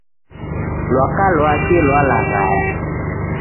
Lwaka lwake lwalaghaya